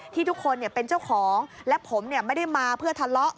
ที่ทุกคนเป็นเจ้าของและผมไม่ได้มาเพื่อทะเลาะ